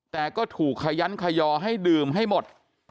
แต่ก็ถูกขยันขยอให้ดื่มให้หมด